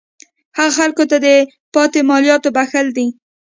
هغه خلکو ته د پاتې مالیاتو بخښل دي.